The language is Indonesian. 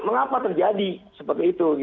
mengapa terjadi seperti itu